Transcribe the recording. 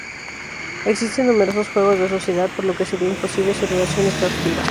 Existen numerosos juegos de sociedad, por lo que sería imposible su relación exhaustiva.